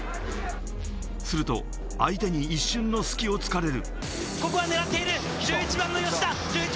すると相手に一瞬の隙を突かれる。